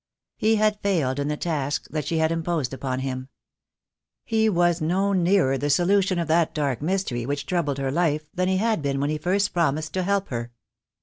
He had failed in the task that she had imposed upon him. He was no nearer the solution of that dark mystery which troubled her life than he had been when he first promised to help her.